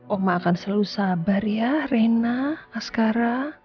oma akan selalu sabar ya reyna asgara